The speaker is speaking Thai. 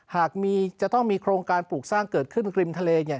หากจะต้องมีโครงการปลูกสร้างเกิดขึ้นกริมทะเล